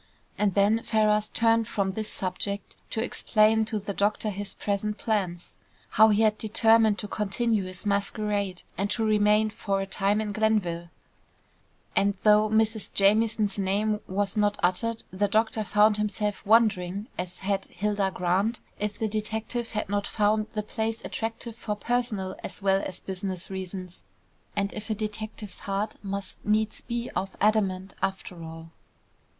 And then Ferrars turned from this subject to explain to the doctor his present plans. How he had determined to continue his masquerade, and to remain for a time in Glenville; and, though Mrs. Jamieson's name was not uttered, the doctor found himself wondering, as had Hilda Grant, if the detective had not found the place attractive for personal, as well as business reasons; and if a detective's heart must needs be of adamant after all.